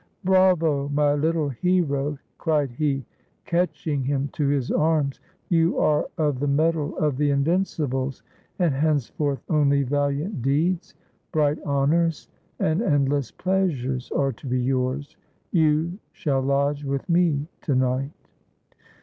"Bravo! my little hero," cried he, catching him to his arms. "You are of the metal of the invincibles, and henceforth only valiant deeds, bright honors, and end less pleasures are to be yours. You shall lodge with me to night."